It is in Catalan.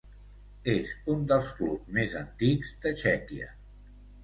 És un dels clubs més antics de Txèquia.